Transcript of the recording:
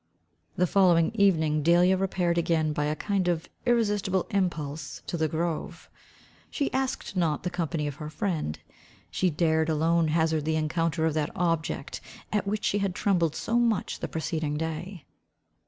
The following evening Delia repaired again by a kind of irresistible impulse to the grove. She asked not the company of her friend. She dared alone hazard the encounter of that object, at which she had trembled so much the preceding day.